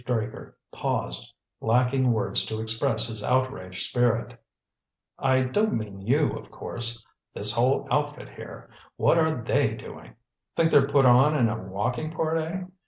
Straker paused, lacking words to express his outraged spirit "I don't mean you, of course. This whole outfit here what are they doing? Think they're put on in a walking part, eh?